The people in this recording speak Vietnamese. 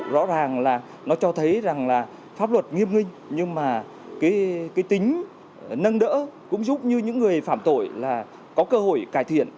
rõ ràng là nó cho thấy rằng là pháp luật nghiêm nghênh nhưng mà cái tính nâng đỡ cũng giúp như những người phạm tội là có cơ hội cải thiện